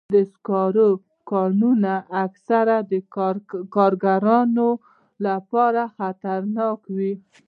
د سکرو کانونه اکثراً د کارګرانو لپاره خطرناک وي.